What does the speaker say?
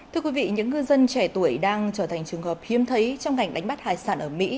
thưa quý vị những ngư dân trẻ tuổi đang trở thành trường hợp hiếm thấy trong ngành đánh bắt hải sản ở mỹ